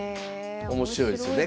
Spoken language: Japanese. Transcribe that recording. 面白いですね。